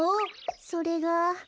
それが。